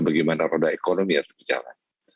bagaimana roda ekonomi harus berjalan